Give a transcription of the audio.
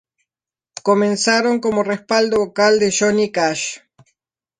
Comenzaron como respaldo vocal de Johnny Cash.